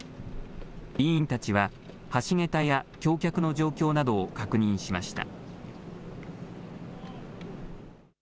委員たちは橋桁や橋脚の状況などを確認しました。